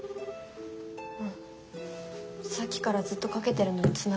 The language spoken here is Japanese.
あさっきからずっとかけてるのにつながらない。